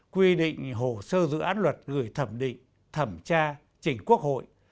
quy định hồ sơ dự án luật gửi thẩm định thẩm tra chỉnh quốc hội